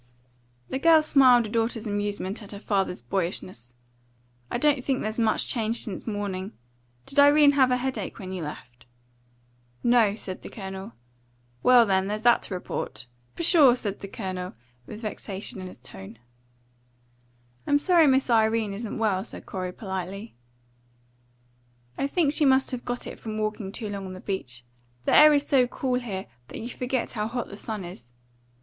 The girl smiled a daughter's amusement at her father's boyishness. "I don't think there's much change since morning. Did Irene have a headache when you left?" "No," said the Colonel. "Well, then, there's that to report." "Pshaw!" said the Colonel with vexation in his tone. "I'm sorry Miss Irene isn't well," said Corey politely. "I think she must have got it from walking too long on the beach. The air is so cool here that you forget how hot the sun is."